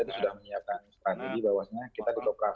itu sudah menyiapkan strategi bahwasanya